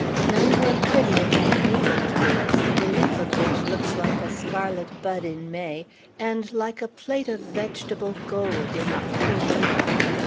None were prettier than the maple twigs, the leaf of which looks like a scarlet bud in May, and like a plate of vegetable gold in October.